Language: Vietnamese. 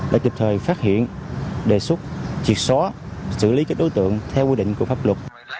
đã kịp thời phát hiện đề xuất triệt xóa xử lý các đối tượng theo quy định của pháp luật